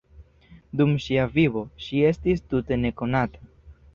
Dum ŝia vivo, ŝi estis tute nekonata.